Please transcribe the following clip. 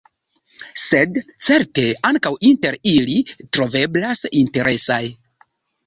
Sed, certe, ankaŭ inter ili troveblas interesaj.